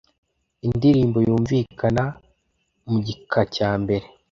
indirimbo yumvikana mugikacyambere.